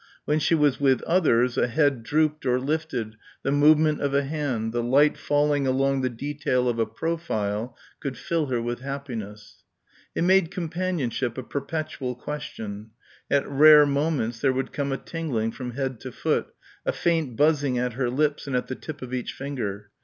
When she was with others a head drooped or lifted, the movement of a hand, the light falling along the detail of a profile could fill her with happiness. It made companionship a perpetual question. At rare moments there would come a tingling from head to foot, a faint buzzing at her lips and at the tip of each finger.